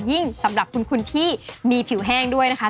สำหรับคุณที่มีผิวแห้งด้วยนะคะ